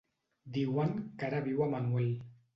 Diuen que ara viu a Manuel.